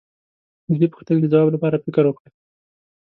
د دې پوښتنې د ځواب لپاره فکر وکړئ.